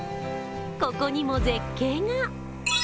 ここにも絶景が。